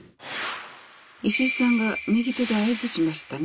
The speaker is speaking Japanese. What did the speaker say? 石井さんが右手で合図しましたね。